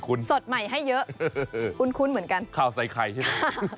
คุ้นเหมือนกัน